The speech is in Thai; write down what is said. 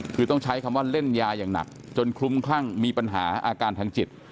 คือต้องใช้คำว่าเล่นยาอย่างหนักจนคลุ้มคลั่งมีปัญหาอาการทางจิต